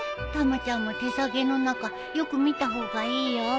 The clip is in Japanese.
たまちゃんも手提げの中よく見た方がいいよ。